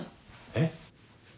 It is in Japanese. えっ？